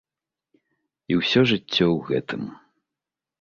І ўсё жыццё ў гэтым.